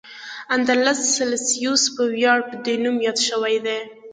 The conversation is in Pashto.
اندرلس سلسیوس په ویاړ په دې نوم یاد شوی دی.